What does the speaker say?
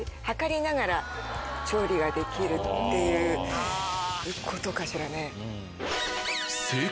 はかりながら調理ができるっていうことかしらね？